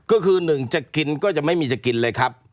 ก็คือหนึ่งจะกินก็จะไม่มีจะกินเลยครับ